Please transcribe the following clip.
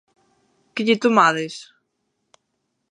Que lle tomades?